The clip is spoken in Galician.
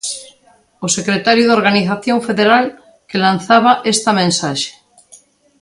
O secretario de Organización Federal, que lanzaba esta mensaxe.